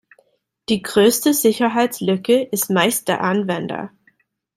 Die größte Sicherheitslücke ist meist der Anwender.